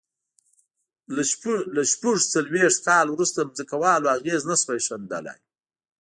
له شپږ څلوېښت کال وروسته ځمکوالو اغېز نه شوای ښندي.